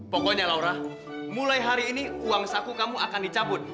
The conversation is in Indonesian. pokoknya laura mulai hari ini uang saku kamu akan dicabut